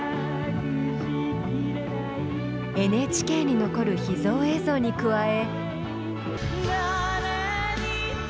ＮＨＫに残る秘蔵映像に加え。